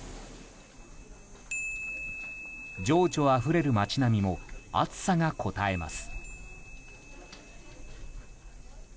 情緒あふれる街並みも暑さがこたえます。